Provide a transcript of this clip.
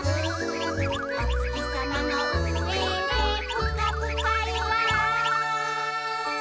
「おつきさまのうえでぷかぷかゆら」